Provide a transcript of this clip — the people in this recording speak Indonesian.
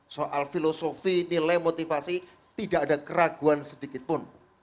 soal filosofi nilai motivasi tidak ada keraguan sedikit pun